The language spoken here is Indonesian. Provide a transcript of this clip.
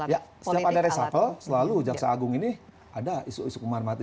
ya setiap ada reshuffle selalu jaksa agung ini ada isu isu hukuman mati